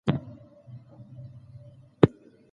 ده زیاته کړه چې رژیم کمزوری کېږي.